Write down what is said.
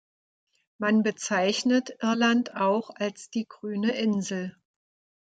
Man bezeichnet Irland auch als die „Grüne Insel“.